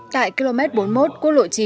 tại km bốn mươi một quốc lộ chín